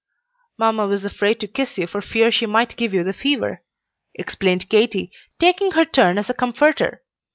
"Mamma was afraid to kiss you for fear she might give you the fever," explained Katy, taking her turn as a comforter.